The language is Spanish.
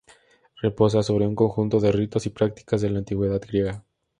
Reposa sobre un conjunto de ritos y prácticas de la antigüedad griega.